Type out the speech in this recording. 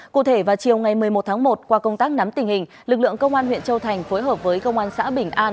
cụ thể vào chiều ngày một mươi một tháng một qua công tác nắm tình hình lực lượng công an huyện châu thành phối hợp với công an xã bình an